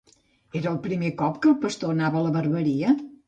Era el primer cop que el pastor anava a la barberia?